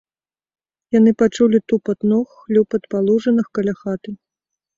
Яны пачулі тупат ног, хлюпат па лужынах каля хаты.